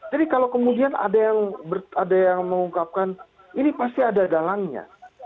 jadi kalau kemudian ada yang mengungkapkan ini pasti ada dalangnya